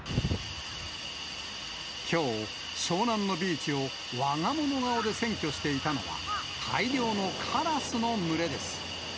きょう、湘南のビーチを、わが物顔で占拠していたのは、大量のカラスの群れです。